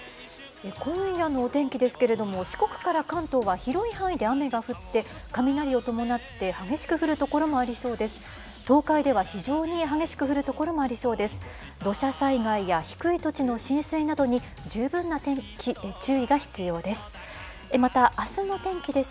今夜のお天気ですけれども、四国から関東は広い範囲で雨が降って、雷を伴って、激しく降る所もありそうです。